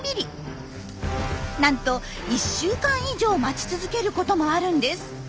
なんと１週間以上待ち続けることもあるんです。